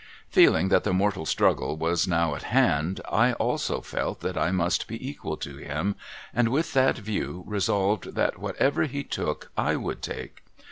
Feeling that the mortal struggle was now at hand, I also felt that I must be equal to him, and with that view resolved that whatever he took I would take.